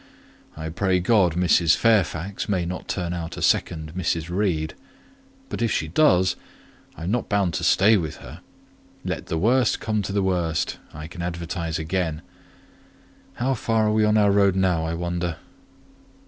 I pray God Mrs. Fairfax may not turn out a second Mrs. Reed; but if she does, I am not bound to stay with her! let the worst come to the worst, I can advertise again. How far are we on our road now, I wonder?"